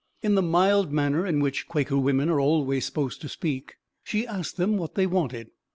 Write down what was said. In the mild manner in which Quaker women are always supposed to speak, she asked them what they wanted.